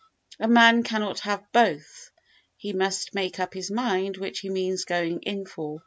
A man cannot have both, he must make up his mind which he means going in for.